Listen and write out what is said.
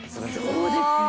そうですね。